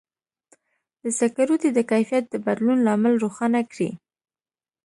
د سکروټي د کیفیت د بدلون لامل روښانه کړئ.